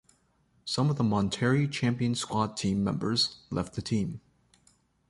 Some of the Monterrey champion squad team members left the team.